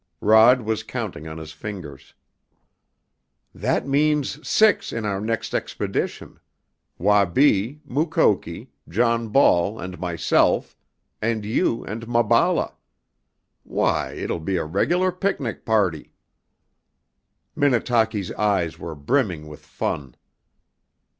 Rod was counting on his fingers. "That means six in our next expedition, Wabi, Mukoki, John Ball and myself, and you and Maballa. Why, it'll be a regular picnic party!" Minnetaki's eyes were brimming with fun.